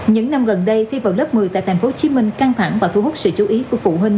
những năm gần đây thi vào lớp một mươi tại thành phố hồ chí minh căng thẳng và thu hút sự chú ý của phụ huynh